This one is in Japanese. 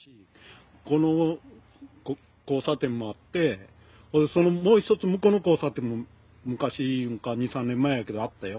この交差点もあって、もう１つ向こうの交差点も、昔いうか、２、３年前やけどあったよ。